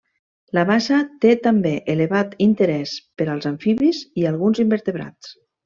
La bassa té també elevat interès per als amfibis i alguns invertebrats.